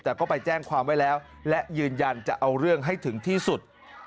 แต่ก็ไปแจ้งความไว้แล้วและยืนยันจะเอาเรื่องให้ถึงที่สุด